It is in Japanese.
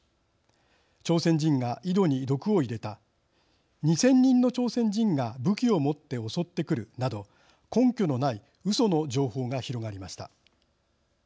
「朝鮮人が井戸に毒を入れた」「２，０００人の朝鮮人が武器を持って襲ってくる」など根拠のないうその情報が広がりました。